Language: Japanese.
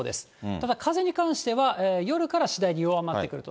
ただ風に関しては、夜から次第に弱まってくると。